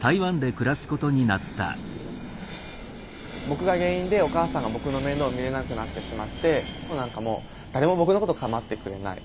僕が原因でお母さんが僕の面倒を見れなくなってしまって何かもう誰も僕のことかまってくれない。